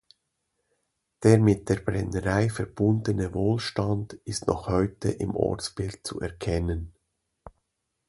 Der mit der Brennerei verbundene Wohlstand ist noch heute im Ortsbild zu erkennen.